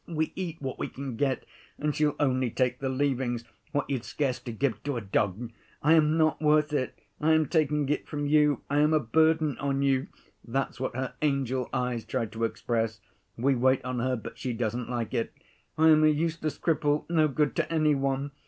We eat what we can get, and she'll only take the leavings, what you'd scarcely give to a dog. 'I am not worth it, I am taking it from you, I am a burden on you,' that's what her angel eyes try to express. We wait on her, but she doesn't like it. 'I am a useless cripple, no good to any one.